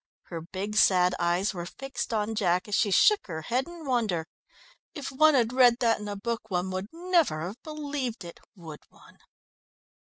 Her big, sad eyes were fixed on Jack as she shook her head in wonder. "If one had read that in a book one would never have believed it, would one?"